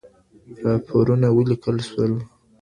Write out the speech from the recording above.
راپورونه وليکل سول.